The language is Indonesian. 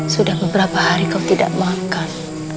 sudah beberapa hari kau tidak makan